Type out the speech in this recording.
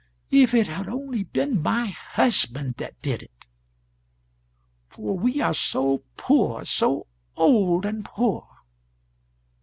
... If it had only been my husband that did it! for we are so poor, so old and poor!